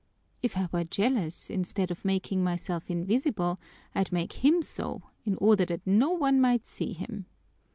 "If I were jealous, instead of making myself invisible, I'd make him so, in order that no one might see him."